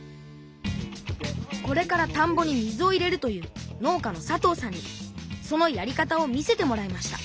これからたんぼに水を入れるという農家の佐藤さんにそのやり方を見せてもらいました。